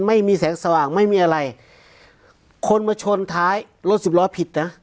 ไม่มีแสงสว่างไม่มีอะไรคนมาชนท้ายรถสิบล้อผิดนะ